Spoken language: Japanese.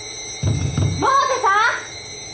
百瀬さん！